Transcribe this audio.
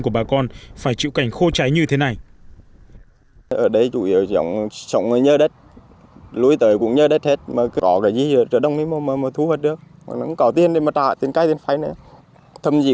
của bà con phải chịu cảnh khô cháy như thế này